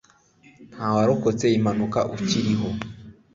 nta warokotse iyi mpanuka ukiriho.